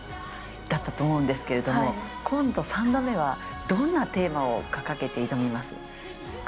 だったと思うんですけれども、今度３打目はどんなテーマを掲げて挑みますか。